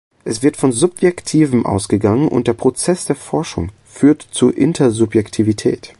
Es wird von Subjektivem ausgegangen und der Prozess der Forschung führt zu Intersubjektivität.